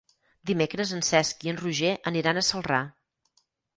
Dimecres en Cesc i en Roger aniran a Celrà.